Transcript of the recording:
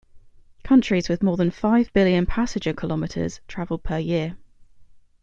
Countries with more than five billion passenger-kilometres travelled per year.